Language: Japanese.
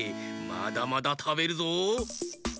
まだまだたべるぞ！